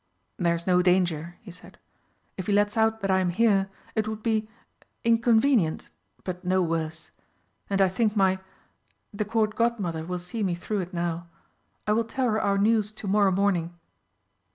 "There's no danger," he said. "If he lets out that I am here, it would be inconvenient, but no worse. And I think my the Court Godmother will see me through it now. I will tell her our news to morrow morning."